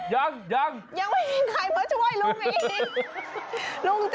ยังยังไม่มีใครมาช่วยลุงอีก